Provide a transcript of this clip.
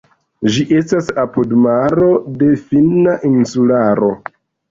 Ĝi estas apud maro de finna insularo.